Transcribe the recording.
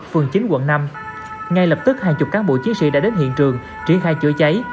phường chín quận năm ngay lập tức hàng chục cán bộ chiến sĩ đã đến hiện trường triển khai chữa cháy